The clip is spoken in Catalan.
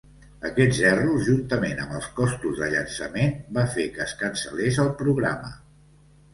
Aquests erros juntament amb els costos de llançament va fer que es cancel·lés el programa.